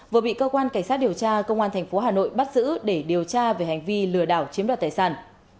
vừa bị cơ quan cảnh sát điều tra công an tp hà nội bắt giữ để điều tra về hành vi lừa đảo chiếm đoạt tài sản